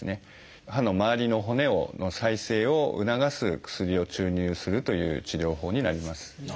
歯の周りの骨の再生を促す薬を注入するという治療法になります。